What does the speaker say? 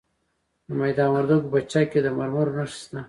د میدان وردګو په چک کې د مرمرو نښې شته.